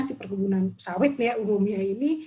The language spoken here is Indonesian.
si perkebunan sawit nih ya umumnya ini